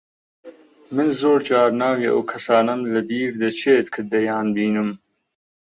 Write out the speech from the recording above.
من زۆر جار ناوی ئەو کەسانەم لەبیر دەچێت کە دەیانبینم.